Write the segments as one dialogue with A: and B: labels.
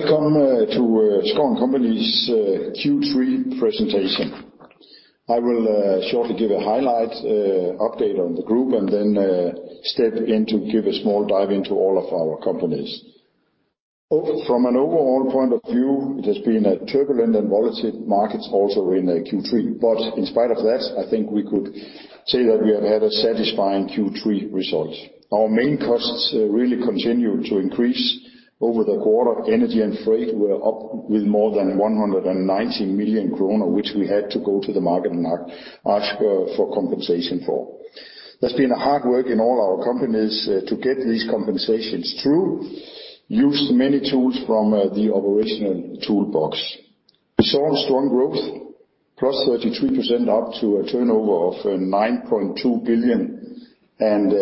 A: Welcome to Schouw & Co.'s Q3 presentation. I will shortly give a highlight update on the group and then step in to give a small dive into all of our companies. From an overall point of view, it has been a turbulent and volatile markets also in Q3. In spite of that, I think we could say that we have had a satisfying Q3 result. Our main costs really continued to increase over the quarter. Energy and freight were up with more than 119 million kroner, which we had to go to the market and ask for compensation for. There's been hard work in all our companies to get these compensations through, used many tools from the operational toolbox. We saw a strong growth, +33% up to a turnover of 9.2 billion, and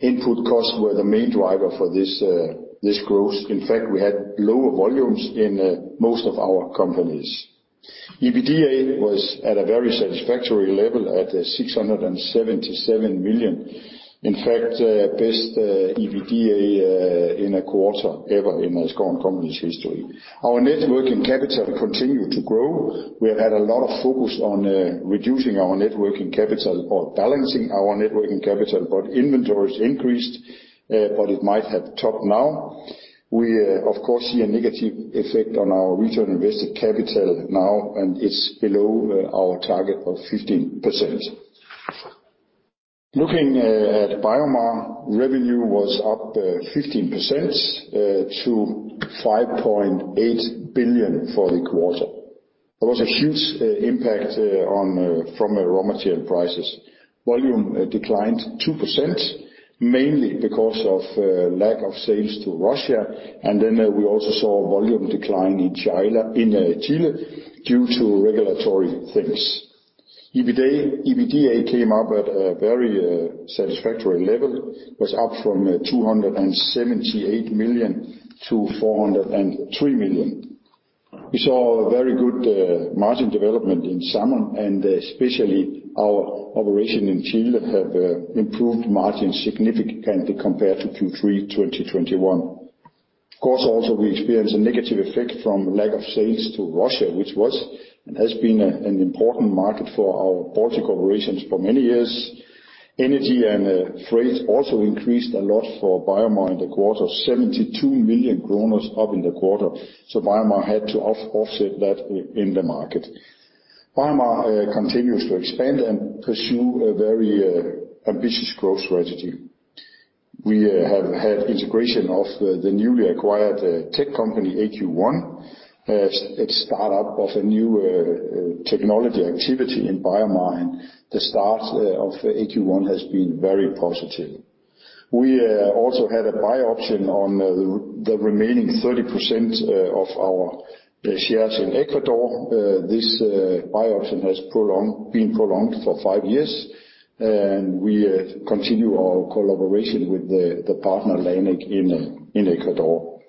A: input costs were the main driver for this growth. In fact, we had lower volumes in most of our companies. EBITDA was at a very satisfactory level at 677 million. In fact, best EBITDA in a quarter ever in Schouw & Co.'s history. Our net working capital continued to grow. We have had a lot of focus on reducing our net working capital or balancing our net working capital, but inventories increased, but it might have topped now. We, of course, see a negative effect on our return on invested capital now, and it's below our target of 15%. Looking at BioMar, revenue was up 15% to 5.8 billion for the quarter. There was a huge impact from raw material prices. Volume declined 2%, mainly because of lack of sales to Russia. We also saw volume decline in Chile due to regulatory things. EBITDA came up at a very satisfactory level. It was up from 278 million to 403 million. We saw a very good margin development in salmon, and especially our operation in Chile have improved margins significantly compared to Q3 2021. Of course, also, we experienced a negative effect from lack of sales to Russia, which was and has been an important market for our Baltic operations for many years. Energy and freight also increased a lot for BioMar in the quarter, 72 million kroner up in the quarter. BioMar had to offset that in the market. BioMar continues to expand and pursue a very ambitious growth strategy. We have had integration of the newly acquired tech company AQ1. The start-up of a new technology activity in BioMar. The start of AQ1 has been very positive. We also had a buy option on the remaining 30% of our shares in Ecuador. This buy option has been prolonged for 5 years, and we continue our collaboration with the partner Lanec, in Ecuador.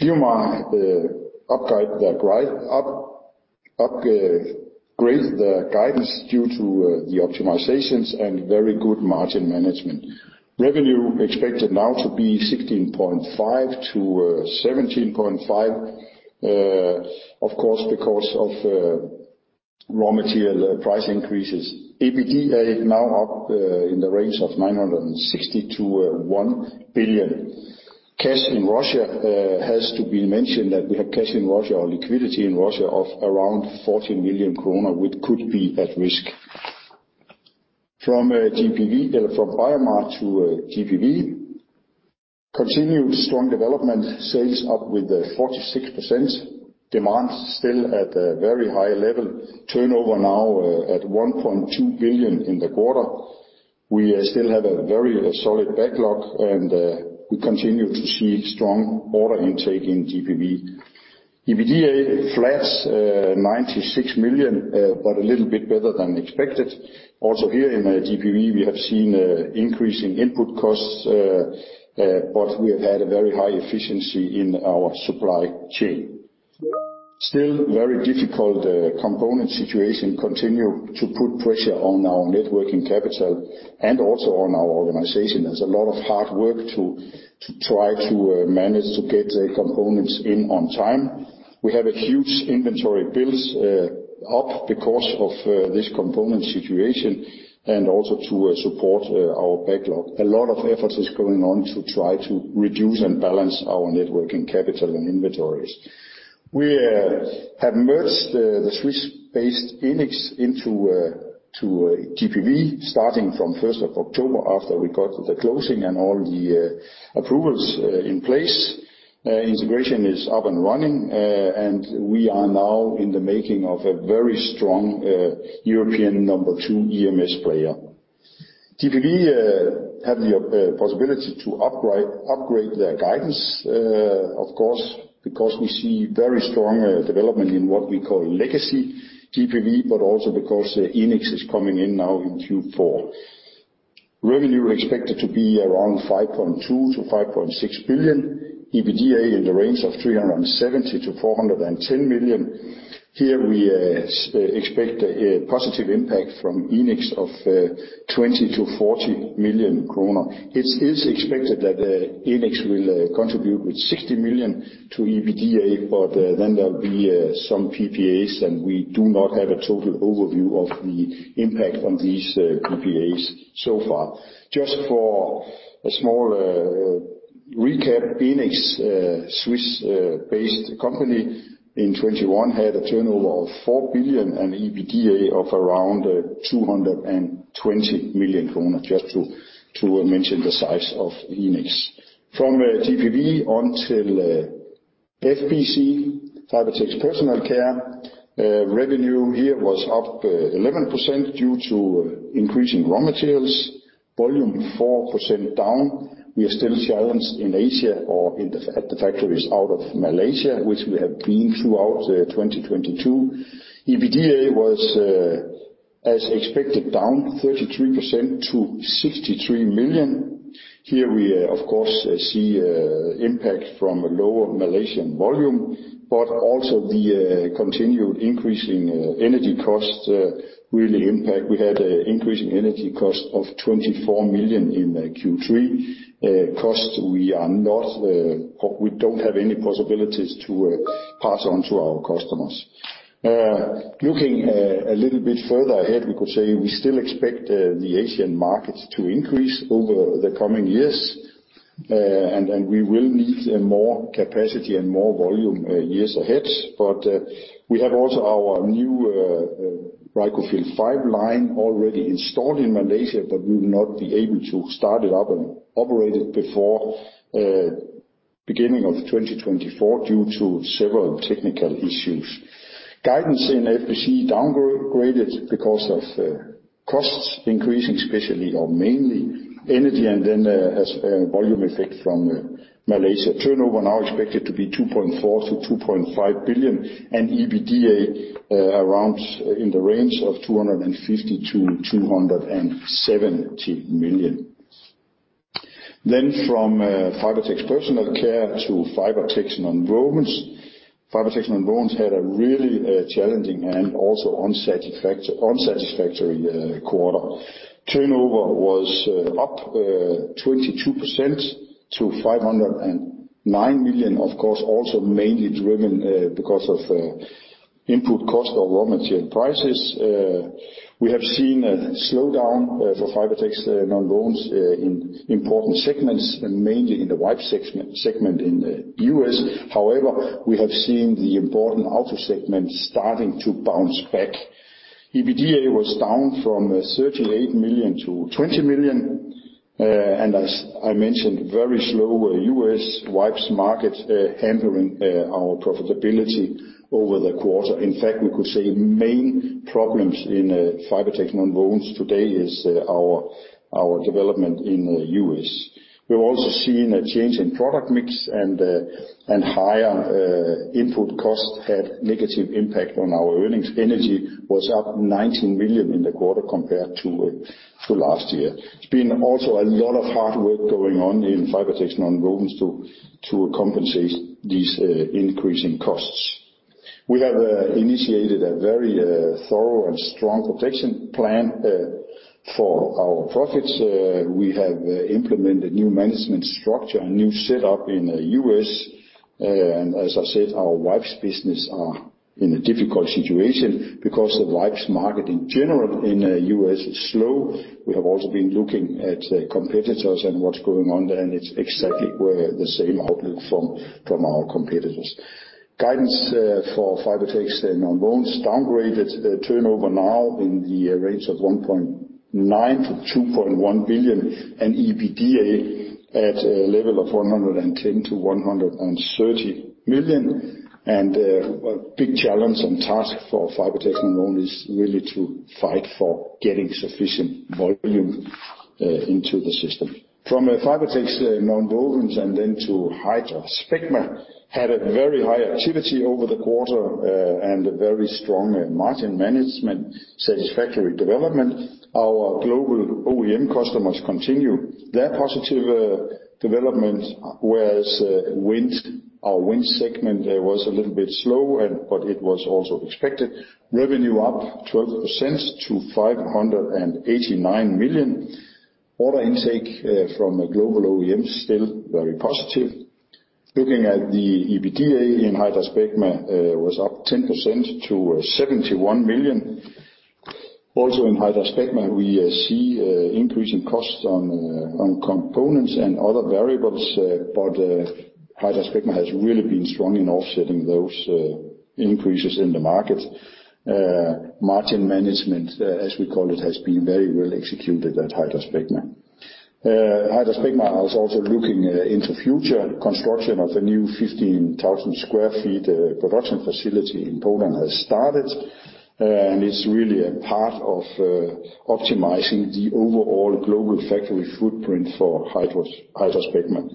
A: BioMar upgraded the guidance due to the optimizations and very good margin management. Revenue expected now to be 16.5 billion-17.5 billion, of course, because of raw material price increases. EBITDA now up in the range of 960 million-1 billion. Cash in Russia has to be mentioned that we have cash in Russia or liquidity in Russia of around 14 million kroner, which could be at risk. From BioMar to GPV, continued strong development, sales up with 46%. Demand still at a very high level. Turnover now at 1.2 billion in the quarter. We still have a very solid backlog, and we continue to see strong order intake in GPV. EBITDA flat, 96 million, but a little bit better than expected. Here in GPV, we have seen increasing input costs, but we have had a very high efficiency in our supply chain. Still very difficult component situation continue to put pressure on our net working capital and also on our organization. There's a lot of hard work to try to manage to get components in on time. We have a huge inventory builds up because of this component situation and also to support our backlog. A lot of effort is going on to try to reduce and balance our net working capital and inventories. We have merged the Swiss-based Enics into GPV starting from first of October after we got the closing and all the approvals in place. Integration is up and running, and we are now in the making of a very strong European number two EMS player. GPV have the possibility to upgrade their guidance, of course, because we see very strong development in what we call legacy GPV, but also because Enics is coming in now in Q4. Revenue expected to be around 5.2 billion-5.6 billion. EBITDA in the range of 370 million-410 million. Here we expect a positive impact from Enics of 20 million-40 million kroner. It is expected that Enics will contribute with 60 million to EBITDA, but then there'll be some PPAs, and we do not have a total overview of the impact on these PPAs so far. Just for a small recap, Enics, Swiss-based company in 2021 had a turnover of 4 billion and EBITDA of around 220 million kroner, just to mention the size of Enics. From GPV on to FPC, Fibertex Personal Care, revenue here was up 11% due to increasing raw materials, volume 4% down. We are still challenged in Asia, at the factories in Malaysia, which we have been throughout 2022. EBITDA was, as expected, down 33% to 63 million. Here we, of course, see impact from a lower Malaysian volume, but also the continued increasing energy costs really impact. We had an increasing energy cost of 24 million in Q3, costs we are not or we don't have any possibilities to pass on to our customers. Looking a little bit further ahead, we could say we still expect the Asian markets to increase over the coming years, and we will need more capacity and more volume years ahead. We have also our new Reicofil 5 line already installed in Malaysia, but we will not be able to start it up and operate it before beginning of 2024 due to several technical issues. Guidance in FPC downgraded because of costs increasing, especially or mainly energy and then as a volume effect from Malaysia. Turnover now expected to be 2.4 billion-2.5 billion and EBITDA around in the range of 250 million-270 million. From Fibertex Personal Care to Fibertex Nonwovens. Fibertex Nonwovens had a really challenging and also unsatisfactory quarter. Turnover was up 22% to 509 million, of course, also mainly driven because of input cost of raw material prices. We have seen a slowdown for Fibertex Nonwovens in important segments and mainly in the wipes segment in the US. However, we have seen the important auto segment starting to bounce back. EBITDA was down from 38 million to 20 million, and as I mentioned, very slow US wipes market hampering our profitability over the quarter. In fact, we could say main problems in Fibertex Nonwovens today is our development in the U.S. We've also seen a change in product mix and higher input costs had negative impact on our earnings. Energy was up 19 million in the quarter compared to last year. It's been also a lot of hard work going on in Fibertex Nonwovens to compensate these increasing costs. We have initiated a very thorough and strong protection plan for our profits. We have implemented new management structure, a new set up in the U.S., and as I said, our wipes business are in a difficult situation because the wipes market in general in U.S. is slow. We have also been looking at competitors and what's going on there, and it's exactly the same outlook from our competitors. Guidance for Fibertex Nonwovens downgraded turnover now in the range of 1.9 billion-2.1 billion and EBITDA at a level of 110 million-130 million. A big challenge and task for Fibertex Nonwovens is really to fight for getting sufficient volume into the system. From Fibertex Nonwovens and then to HydraSpecma had a very high activity over the quarter and a very strong margin management satisfactory development. Our global OEM customers continue their positive development, whereas wind, our wind segment, was a little bit slow but it was also expected. Revenue up 12% to 589 million. Order intake from global OEMs still very positive. Looking at the EBITDA in HydraSpecma was up 10% to 71 million. Also in HydraSpecma, we see increasing costs on on components and other variables, but HydraSpecma has really been strong in offsetting those increases in the market. Margin management as we call it has been very well executed at HydraSpecma. HydraSpecma is also looking into future construction of the new 15,000 sq ft production facility in Poland has started, and it's really a part of optimizing the overall global factory footprint for HydraSpecma.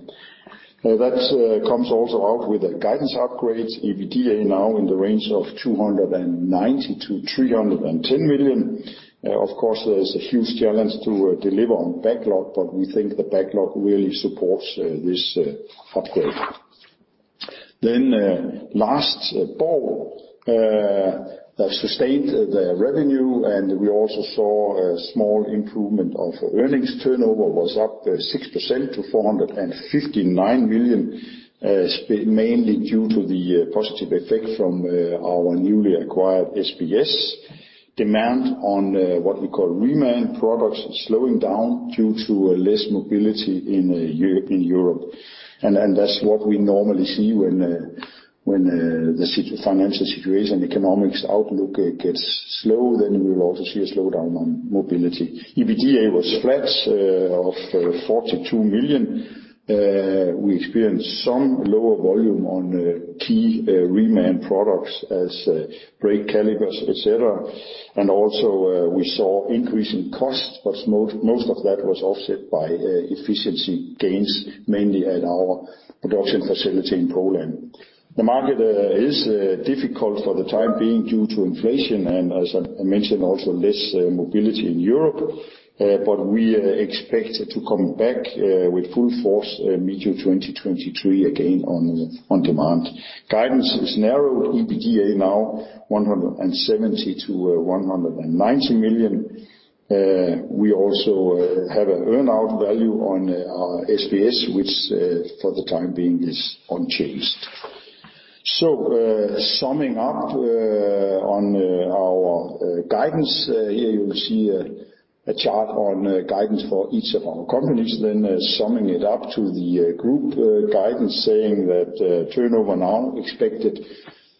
A: That comes also out with the guidance upgrades. EBITDA now in the range of 290 million-310 million. Of course, there's a huge challenge to deliver on backlog, but we think the backlog really supports this upgrade. Last quarter that sustained the revenue, and we also saw a small improvement of earnings. Turnover was up 6% to 459 million, mainly due to the positive effect from our newly acquired SBS. Demand on what we call reman products slowing down due to less mobility in Europe. That's what we normally see when the financial situation, economic outlook gets slow, then we will also see a slowdown on mobility. EBITDA was flat of 42 million. We experienced some lower volume on key reman products as brake calipers, et cetera. We saw increasing costs, but most of that was offset by efficiency gains, mainly at our production facility in Poland. The market is difficult for the time being due to inflation, and as I mentioned, also less mobility in Europe. We expect to come back with full force mid-2023 again on demand. Guidance is narrowed. EBITDA now 170 million-190 million. We also have an earn-out value on our SBS, which for the time being is unchanged. Summing up on our guidance, here you will see a chart on guidance for each of our companies. Summing it up to the group guidance saying that turnover now expected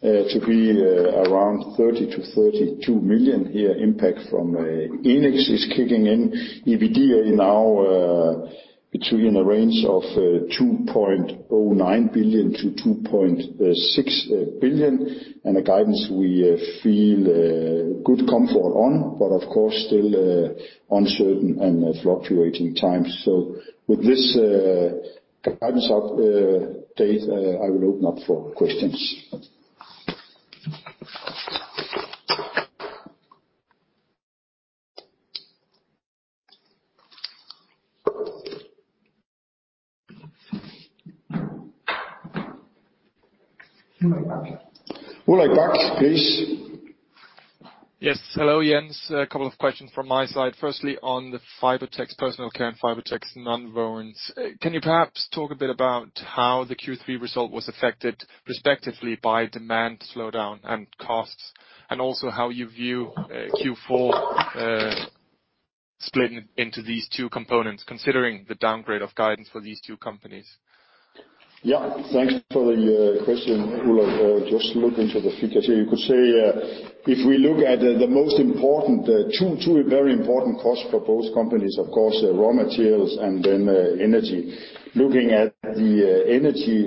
A: to be around 30-32 billion here impact from Enics is kicking in. EBITDA now between a range of 2.09 billion-2.6 billion. A guidance we feel good comfort on, but of course, still uncertain and fluctuating times. With this guidance update, I will open up for questions. Ulrik Bak, please.
B: Yes. Hello, Jens. A couple of questions from my side. Firstly, on the Fibertex Personal Care and Fibertex Nonwovens. Can you perhaps talk a bit about how the Q3 result was affected respectively by demand slowdown and costs, and also how you view Q4, splitting into these two components, considering the downgrade of guidance for these two companies?
A: Yeah. Thanks for the question, Ulrik. I'll just look into the figures here. You could say, if we look at the most important two very important costs for both companies, of course, raw materials and then energy. Looking at the energy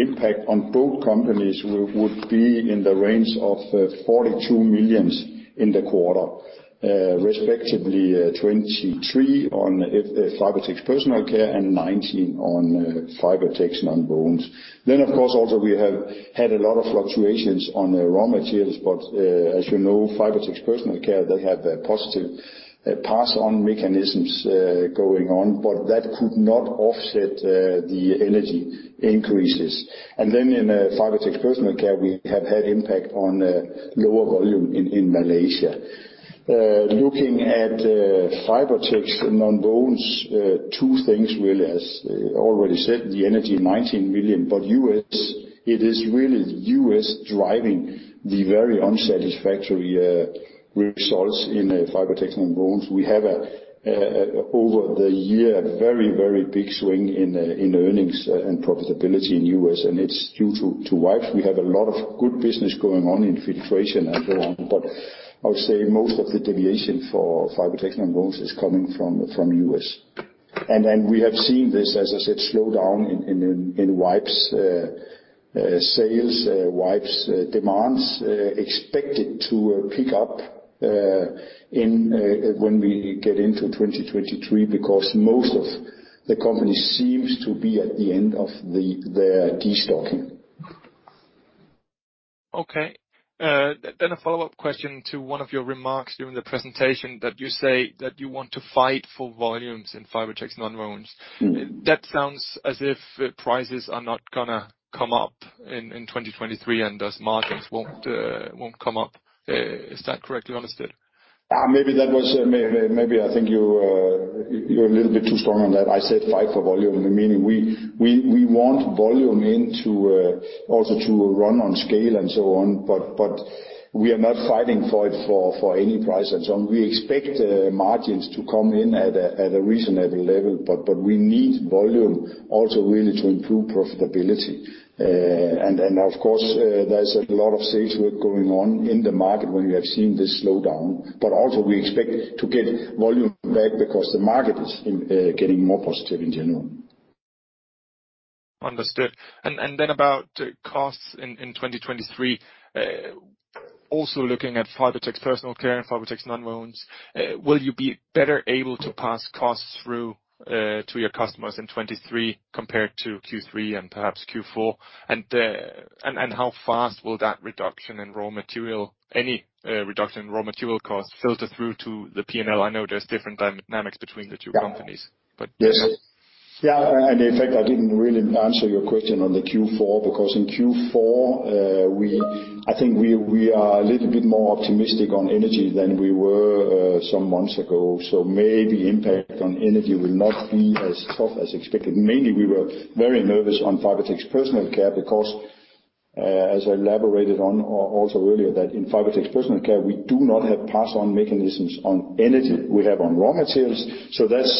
A: impact on both companies would be in the range of 42 million in the quarter, respectively, 23 million on Fibertex Personal Care and 19 million on Fibertex Nonwovens. Then, of course, also we have had a lot of fluctuations on the raw materials, but, as you know, Fibertex Personal Care, they have a positive pass-on mechanisms going on, but that could not offset the energy increases. In Fibertex Personal Care, we have had impact on lower volume in Malaysia. Looking at Fibertex Nonwovens, two things really, as already said, the energy 19 million, but U.S., it is really U.S. driving the very unsatisfactory results in Fibertex Nonwovens. We have a over the year very big swing in earnings and profitability in U.S., and it's due to wipes. We have a lot of good business going on in filtration and so on, but I would say most of the deviation for Fibertex Nonwovens is coming from U.S. We have seen this, as I said, slow down in wipes sales, wipes demands expected to pick up when we get into 2023 because most of the company seems to be at the end of their destocking.
B: Okay. A follow-up question to one of your remarks during the presentation that you say that you want to fight for volumes in Fibertex Nonwovens.
A: Mm-hmm.
B: That sounds as if prices are not gonna come up in 2023 and thus margins won't come up. Is that correctly understood?
A: Maybe I think you're a little bit too strong on that. I said fight for volume, meaning we want volume into also to run on scale and so on, but we are not fighting for it for any price and so on. We expect margins to come in at a reasonable level, but we need volume also really to improve profitability. Of course, there's a lot of sales work going on in the market when we have seen this slowdown. Also we expect to get volume back because the market is getting more positive in general.
B: Understood. Then about costs in 2023, also looking at Fibertex Personal Care and Fibertex Nonwovens, will you be better able to pass costs through to your customers in 2023 compared to Q3 and perhaps Q4? How fast will any reduction in raw material costs filter through to the P&L? I know there's different dynamics between the two companies.
A: Yes. Yeah, in fact, I didn't really answer your question on the Q4, because in Q4, I think we are a little bit more optimistic on energy than we were some months ago. Maybe impact on energy will not be as tough as expected. Mainly, we were very nervous on Fibertex Personal Care because, as I elaborated on also earlier, that in Fibertex Personal Care we do not have pass-on mechanisms on energy we have on raw materials. That's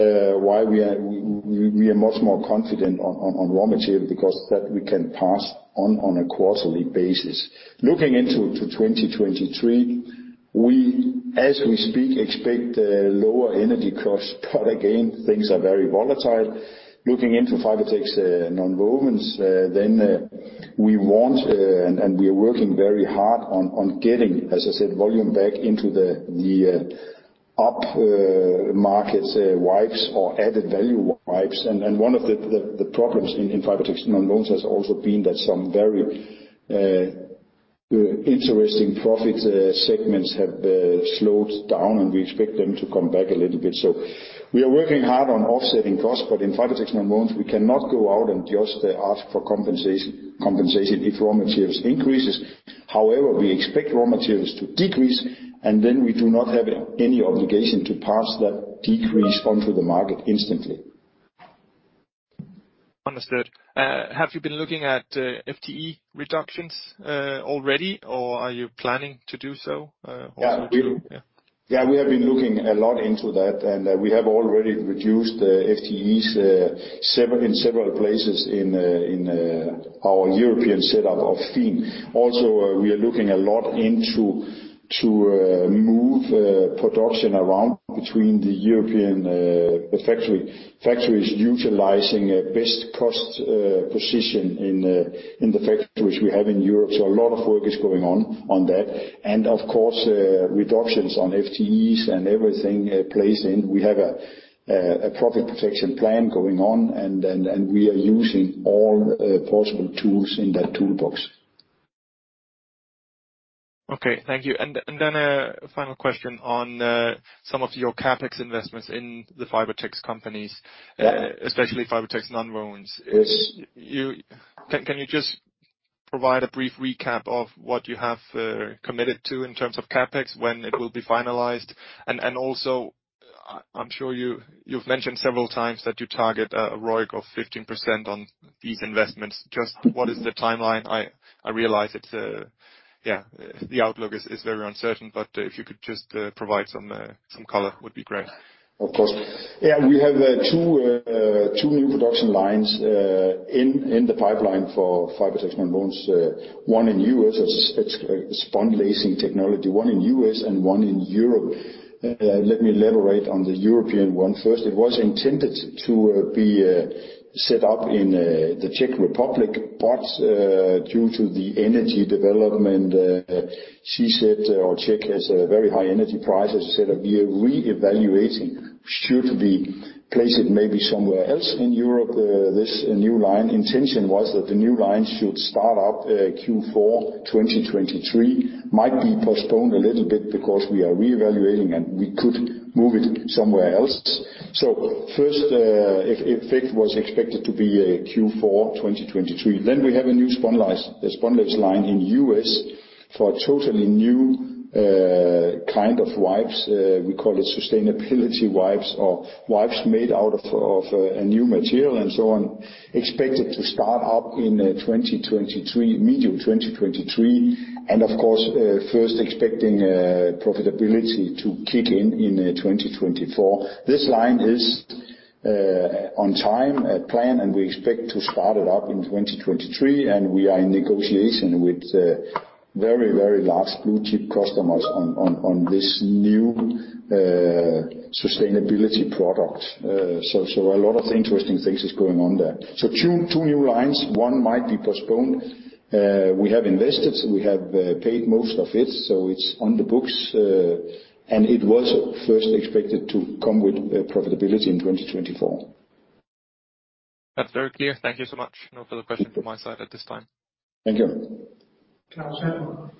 A: why we are much more confident on raw material because that we can pass on a quarterly basis. Looking into 2023, we, as we speak, expect lower energy costs. Again, things are very volatile. Looking into Fibertex Nonwovens, then we are working very hard on getting, as I said, volume back into the up markets, wipes or added value wipes. One of the problems in Fibertex Nonwovens has also been that some very interesting profitable segments have slowed down, and we expect them to come back a little bit. We are working hard on offsetting costs, but in Fibertex Nonwovens, we cannot go out and just ask for compensation if raw materials increases. However, we expect raw materials to decrease, and then we do not have any obligation to pass that decrease onto the market instantly.
B: Understood. Have you been looking at FTE reductions already, or are you planning to do so also? Yeah.
A: Yeah, we have been looking a lot into that, and we have already reduced FTEs in several places in our European setup of them. We are looking a lot into to move production around between the European factories utilizing a best cost position in the factories we have in Europe. A lot of work is going on that. Of course, reductions on FTEs and everything in place. We have a profit protection plan going on and we are using all possible tools in that toolbox.
B: Okay. Thank you. A final question on some of your CapEx investments in the Fibertex companies?
A: Yeah.
B: especially Fibertex Nonwovens.
A: Yes.
B: Can you just provide a brief recap of what you have committed to in terms of CapEx, when it will be finalized? Also, I'm sure you've mentioned several times that you target a ROIC of 15% on these investments. Just what is the timeline? I realize the outlook is very uncertain, but if you could just provide some color would be great.
A: Of course. Yeah, we have two new production lines in the pipeline for Fibertex Nonwovens. One in U.S., it's spunlacing technology, one in U.S. and one in Europe. Let me elaborate on the European one first. It was intended to be set up in the Czech Republic, but due to the energy development, as I said, our Czech has a very high energy price. As I said, we are reevaluating should we place it maybe somewhere else in Europe. This new line intention was that the new line should start up Q4 2023. Might be postponed a little bit because we are reevaluating, and we could move it somewhere else. First, if it was expected to be a Q4 2023. We have a new spunlace line in U.S. for a totally new kind of wipes. We call it sustainability wipes or wipes made out of a new material and so on. Expected to start up in 2023, mid-2023. Of course, first expecting profitability to kick in in 2024. This line is on time, plan, and we expect to start it up in 2023, and we are in negotiation with very, very large blue chip customers on this new sustainability product. So a lot of interesting things is going on there. Two new lines, one might be postponed. We have invested and paid most of it, so it's on the books, and it was first expected to come with profitability in 2024.
B: That's very clear. Thank you so much. No further question from my side at this time.
A: Thank you. Claus Almer.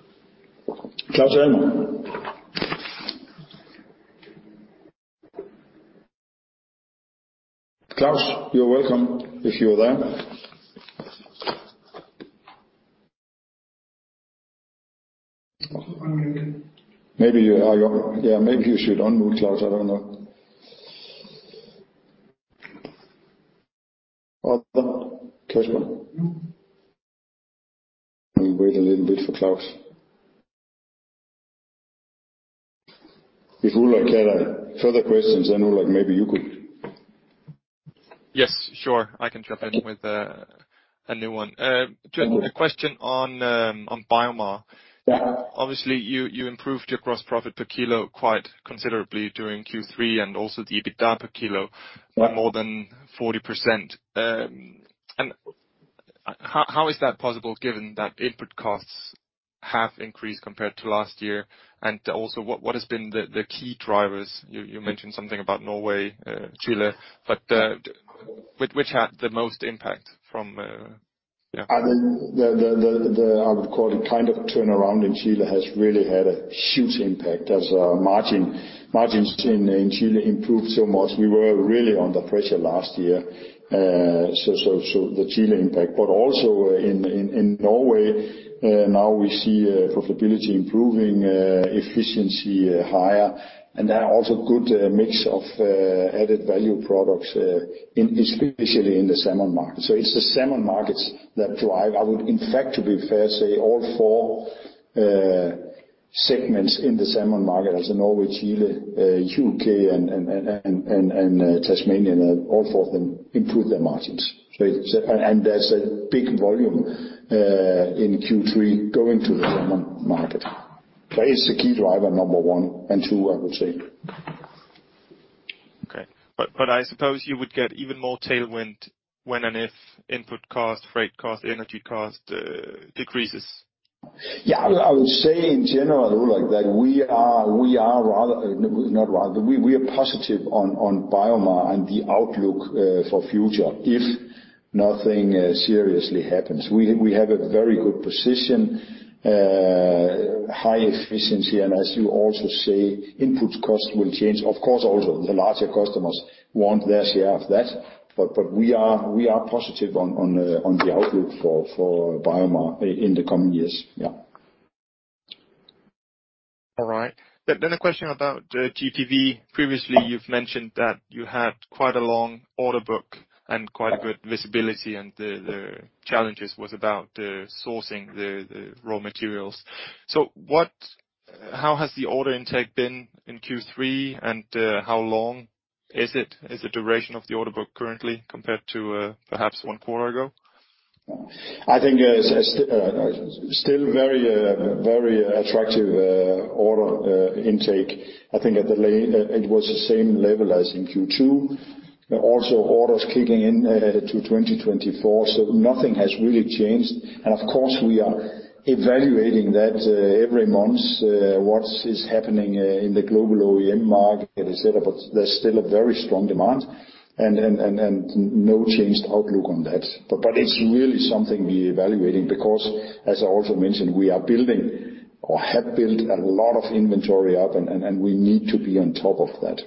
A: Claus, you're welcome if you're there. Maybe you should unmute, Claus. I don't know. Or, Kasper? Let me wait a little bit for Claus. If Ulrik had further questions, then Ulrik, maybe you could.
B: Yes, sure. I can jump in with a new one. Just a question on BioMar.
A: Yeah.
B: Obviously, you improved your gross profit per kilo quite considerably during Q3, and also the EBITDA per kilo by more than 40%. How is that possible given that input costs have increased compared to last year? What has been the key drivers? You mentioned something about Norway, Chile. Which had the most impact from?
A: I mean, I would call it kind of turnaround in Chile has really had a huge impact as margins in Chile improved so much. We were really under pressure last year. The Chile impact. Also in Norway, now we see profitability improving, efficiency higher, and there are also good mix of added value products especially in the salmon market. It's the salmon markets that drive. I would in fact, to be fair, say all four segments in the salmon market, that's Norway, Chile, U.K. and Tasmania. All four of them improved their margins. There's a big volume in Q3 going to the salmon market. It's the key driver number one and two, I would say.
B: I suppose you would get even more tailwind when and if input cost, freight cost, energy cost decreases.
A: Yeah. I would say in general, Ole, that we are positive on BioMar and the outlook for future if nothing seriously happens. We have a very good position, high efficiency, and as you also say, input cost will change. Of course, also the larger customers want their share of that. We are positive on the outlook for BioMar in the coming years. Yeah.
B: All right. A question about GPV. Previously, you've mentioned that you had quite a long order book and quite a good visibility, and the challenges was about sourcing the raw materials. How has the order intake been in Q3, and how long is it? Is the duration of the order book currently compared to perhaps one quarter ago?
A: I think still very attractive order intake. I think it was the same level as in Q2. Also orders kicking in to 2024, so nothing has really changed. Of course, we are evaluating that every month, what is happening in the global OEM market, et cetera. There's still a very strong demand and no changed outlook on that. It's really something we're evaluating because, as I also mentioned, we are building or have built a lot of inventory up and we need to be on top of that.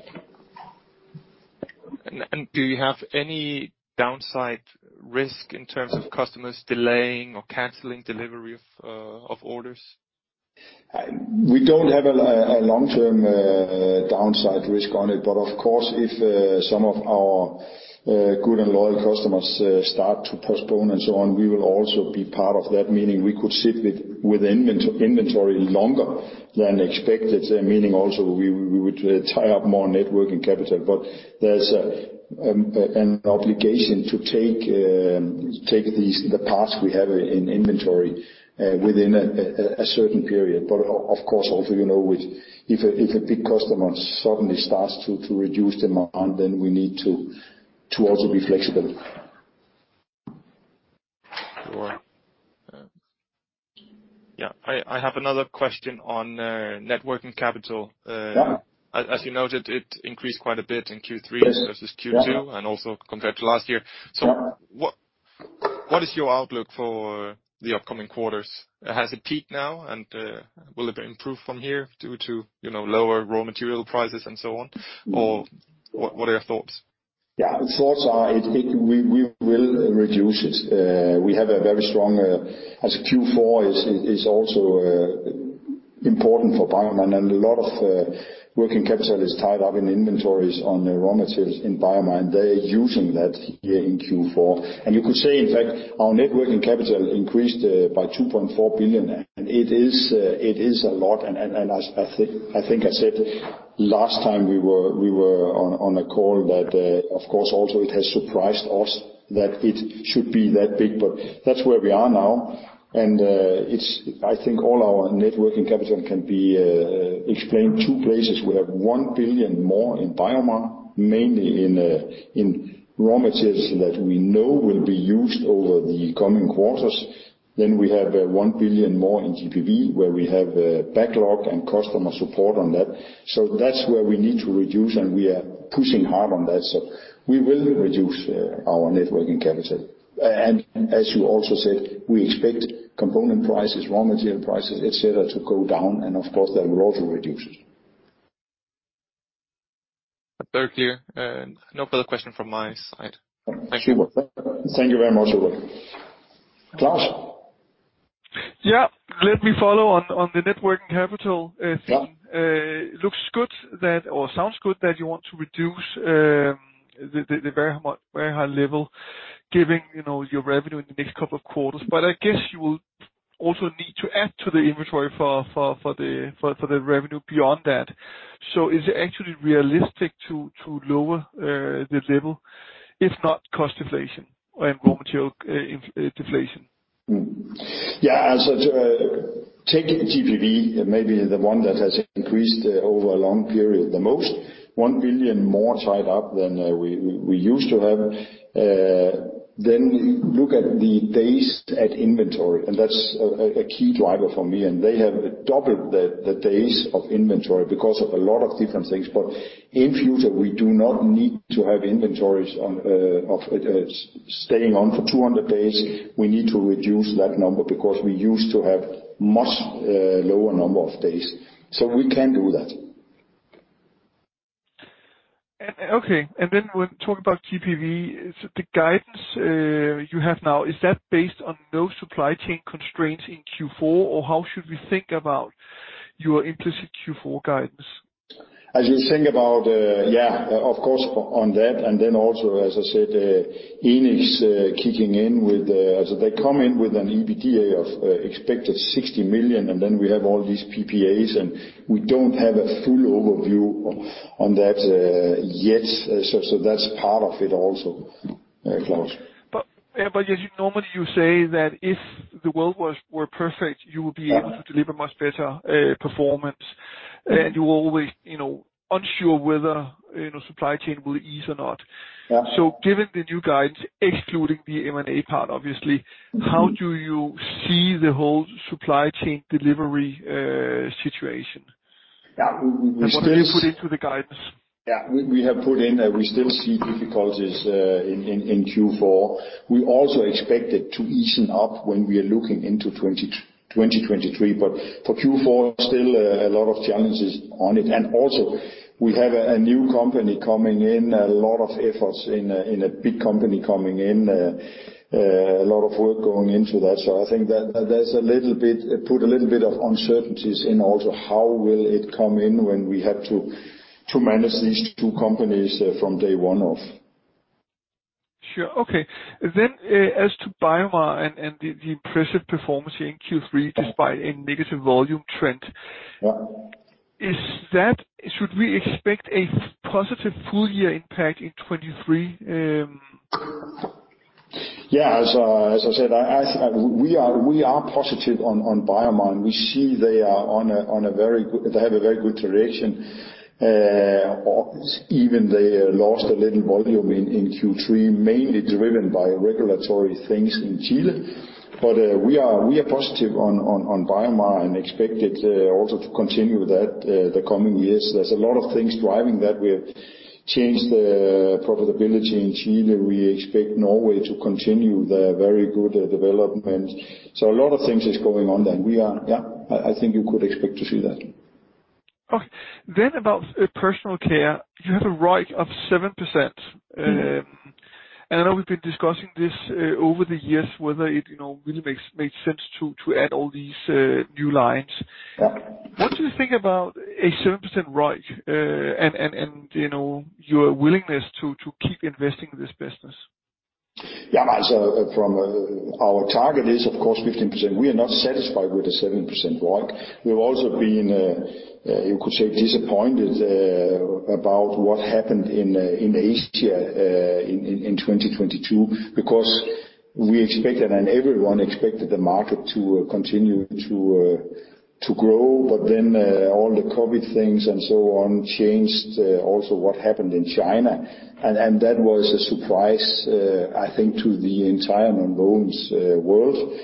B: Do you have any downside risk in terms of customers delaying or canceling delivery of orders?
A: We don't have a long-term downside risk on it, but of course, if some of our good and loyal customers start to postpone and so on, we will also be part of that, meaning we could sit with inventory longer than expected, meaning also we would tie up more net working capital. There's an obligation to take these, the parts we have in inventory within a certain period. Of course, also, you know, if a big customer suddenly starts to reduce demand, then we need to also be flexible.
B: Sure. Yeah. I have another question on net working capital.
A: Yeah.
B: As you noted, it increased quite a bit in Q3 versus Q2 and also compared to last year. What is your outlook for the upcoming quarters? Has it peaked now, and will it improve from here due to, you know, lower raw material prices and so on? Or what are your thoughts?
A: Yeah. Thoughts are it. We will reduce it. We have a very strong, as Q4 is also important for BioMar, and a lot of working capital is tied up in inventories on raw materials in BioMar, and they're using that here in Q4. You could say, in fact, our net working capital increased by 2.4 billion. It is a lot, and I think I said last time we were on a call that, of course also it has surprised us that it should be that big, but that's where we are now. I think all our net working capital can be explained two places. We have 1 billion more in BioMar, mainly in raw materials that we know will be used over the coming quarters. We have 1 billion more in GPV, where we have backlog and customer support on that. That's where we need to reduce, and we are pushing hard on that. We will reduce our net working capital. As you also said, we expect component prices, raw material prices, et cetera, to go down, and of course that will also reduce it.
B: Very clear. No further question from my side. Thank you.
A: Sure. Thank you very much, Ole. Claus?
C: Yeah. Let me follow on the net working capital thing.
A: Yeah.
C: It sounds good that you want to reduce the very high level, given your revenue in the next couple of quarters. I guess you will also need to add to the inventory for the revenue beyond that. Is it actually realistic to lower the level without cost deflation and raw material deflation?
A: As I said, take GPV, maybe the one that has increased over a long period the most. 1 billion more tied up than we used to have. Then look at the days of inventory, and that's a key driver for me. They have doubled the days of inventory because of a lot of different things. In future, we do not need to have inventories sitting on for 200 days. We need to reduce that number because we used to have much lower number of days. We can do that.
C: Okay. When we talk about GPV, is the guidance you have now, is that based on no supply chain constraints in Q4, or how should we think about your implicit Q4 guidance?
A: As you think about, yeah, of course, on that. Then also, as I said, Enics kicking in with as they come in with an EBITDA of expected 60 million, and then we have all these PPAs, and we don't have a full overview on that yet. That's part of it also, Claus.
C: Normally, you say that if the world were perfect, you will be able to deliver much better performance. You always, you know, unsure whether, you know, supply chain will ease or not.
A: Yeah.
C: Given the new guidance, excluding the M&A part, obviously.
A: Mm-hmm.
C: How do you see the whole supply chain delivery situation?
A: Yeah. We still.
C: What do you put into the guidance?
A: Yeah. We have put in that we still see difficulties in Q4. We also expect it to ease up when we are looking into 2023. For Q4, still a lot of challenges on it. Also we have a new company coming in, a lot of efforts in a big company coming in. A lot of work going into that. I think that there's a little bit of uncertainties in also how will it come in when we have to manage these two companies from day one of.
C: Sure. Okay. As to BioMar and the impressive performance here in Q3, despite a negative volume trend.
A: Yeah.
C: Should we expect a positive full year impact in 2023?
A: Yeah. As I said, we are positive on BioMar. We see they are on a very good direction. Even though they lost a little volume in Q3, mainly driven by regulatory things in Chile. We are positive on BioMar and expect it also to continue that the coming years. There's a lot of things driving that. We have changed the profitability in Chile. We expect Norway to continue the very good developments. A lot of things is going on then. We are, yeah, I think you could expect to see that.
C: Okay. About personal care, you have a ROIC of 7%. I know we've been discussing this over the years, whether it you know, really made sense to add all these new lines.
A: Yeah.
C: What do you think about a 7% ROIC, and you know, your willingness to keep investing in this business?
A: Our target is of course 15%. We are not satisfied with the 7% ROIC. We've also been you could say disappointed about what happened in Asia in 2022, because we expected and everyone expected the market to continue to grow. But then all the COVID things and so on changed, also what happened in China. That was a surprise, I think, to the entire nonwovens world.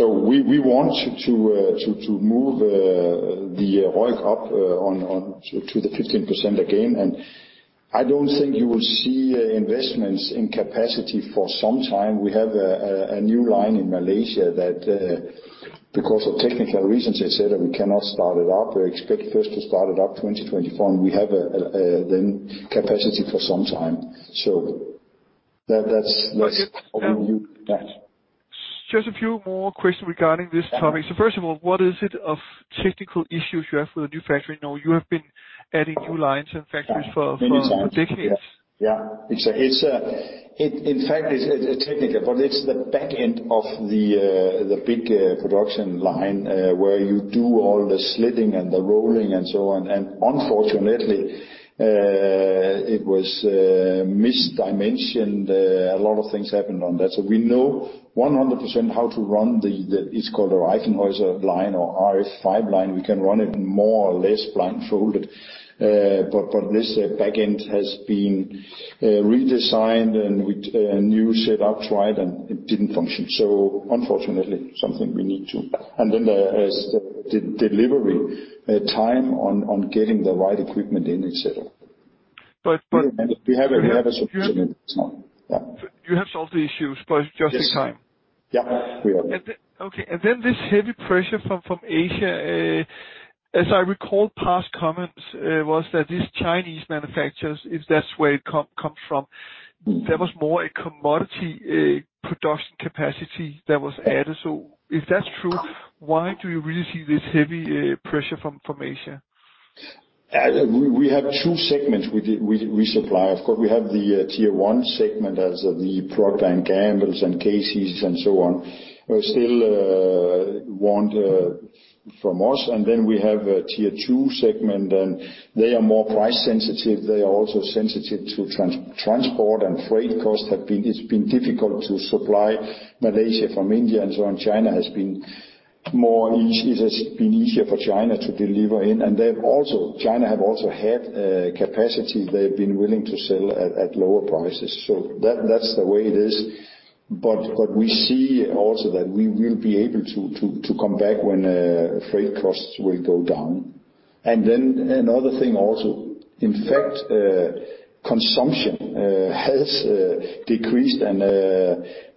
A: We want to move the ROIC up to the 15% again. I don't think you will see investments in capacity for some time. We have a new line in Malaysia that, because of technical reasons, they said that we cannot start it up. We expect first to start it up 2024, and we have the capacity for some time. That's how we view that.
C: Just a few more questions regarding this topic. First of all, what sort of technical issues you have with the new factory? Now, you have been adding new lines and factories for decades.
A: Yeah. It's technical, but it's the back end of the big production line where you do all the slitting and the rolling and so on. Unfortunately, it was misdimensioned. A lot of things happened on that. We know 100% how to run it. It's called a Reifenhäuser line or RF5 line. We can run it more or less blindfolded. This back end has been redesigned, and with new setups tried, and it didn't function. Unfortunately, something we need to. Then there is the delivery time on getting the right equipment in itself.
C: But, but-
A: We have a solution in this one. Yeah.
C: You have solved the issues, but just in time.
A: Yeah. We have.
C: This heavy pressure from Asia, as I recall past comments, was that these Chinese manufacturers, if that's where it comes from, there was more a commodity production capacity that was added. If that's true, why do you really see this heavy pressure from Asia?
A: We have two segments we supply. Of course, we have the tier one segment as the Procter & Gamble and Kimberly-Clark and so on. Still want from us. Then we have a tier two segment, and they are more price sensitive. They are also sensitive to transport and freight costs have been. It's been difficult to supply Malaysia from India and so on. China has been more easy. It has been easier for China to deliver in. Then also, China has also had capacity they've been willing to sell at lower prices. That's the way it is. We see also that we will be able to come back when freight costs will go down. Another thing also, in fact, consumption has decreased and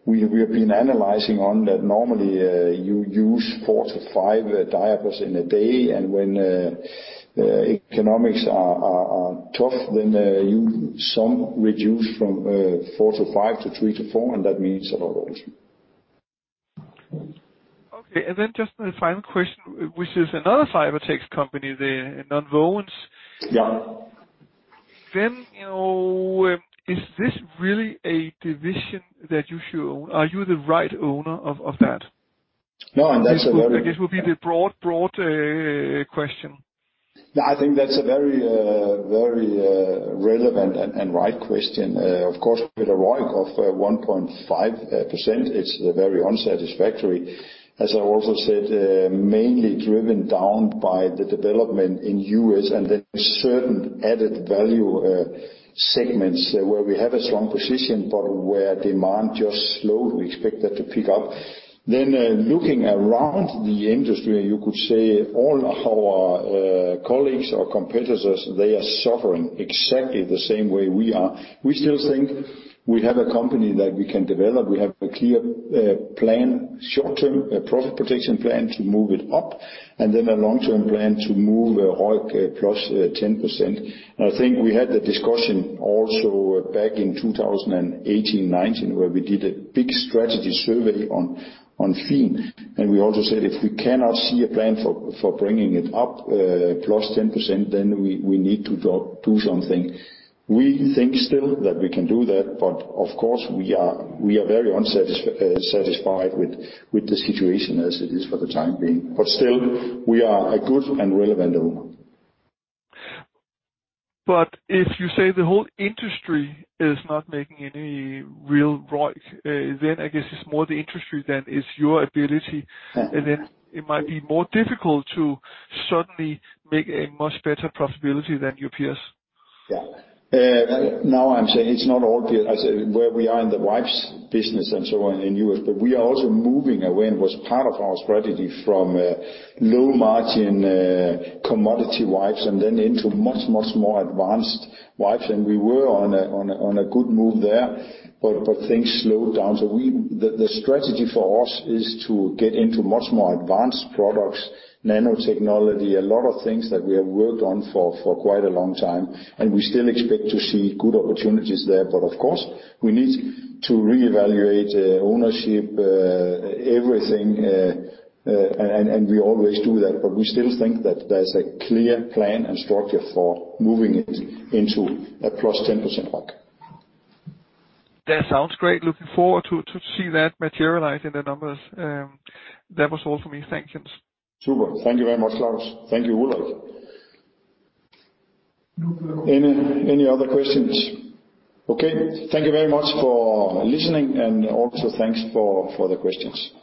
A: we have been analyzing on that. Normally, you use 4-5 diapers in a day, and when economics are tough, then you sometimes reduce from 4-5 to 3-4, and that means a lot also.
C: Okay. Just the final question, which is another Fibertex company, the Nonwovens.
A: Yeah.
C: You know, is this really a division that you should own? Are you the right owner of that?
A: No.
C: This will be the broad question.
A: Yeah, I think that's a very relevant and right question. Of course, with a ROIC of 1.5%, it's very unsatisfactory. As I also said, mainly driven down by the development in the U.S. and the certain added value segments where we have a strong position, but where demand just slowed. We expect that to pick up. Looking around the industry, you could say all our colleagues or competitors, they are suffering exactly the same way we are. We still think we have a company that we can develop. We have a clear plan, short-term profit protection plan to move it up, and then a long-term plan to move ROIC +10%. I think we had the discussion also back in 2018, 2019, where we did a big strategy survey on Fin. We also said, if we cannot see a plan for bringing it up +10%, then we need to do something. We think still that we can do that, but of course, we are very unsatisfied with the situation as it is for the time being. We are a good and relevant owner.
C: If you say the whole industry is not making any real ROIC, then I guess it's more the industry than it's your ability.
A: Yeah.
C: It might be more difficult to suddenly make a much better profitability than your peers.
A: Yeah. Now I'm saying it's not all beer. I said, where we are in the wipes business and so on in U.S., but we are also moving away, and it was part of our strategy from low margin commodity wipes and then into much, much more advanced wipes. We were on a good move there, but things slowed down. The strategy for us is to get into much more advanced products, nanotechnology, a lot of things that we have worked on for quite a long time, and we still expect to see good opportunities there. Of course, we need to reevaluate ownership, everything, and we always do that, but we still think that there's a clear plan and structure for moving it into a +10% ROIC.
C: That sounds great. Looking forward to see that materialize in the numbers. That was all for me. Thank you.
A: Super. Thank you very much, Claus. Thank you, Ulrik. Any other questions? Okay. Thank you very much for listening and also thanks for the questions.